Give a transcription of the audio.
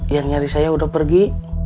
yang nyari saya udah pergi